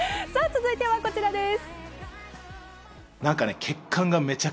続いてはこちらです。